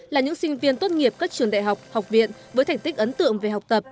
là những sinh viên tốt nghiệp các trường đại học học viện với thành tích ấn tượng về học tập